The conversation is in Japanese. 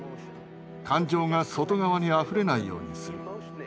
感情が外側にあふれないようにする。